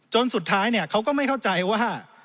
สุดท้ายเขาก็ไม่เข้าใจว่า